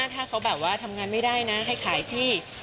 ถ้าเขาแบบว่าทำงานไม่ได้นะให้ขายที่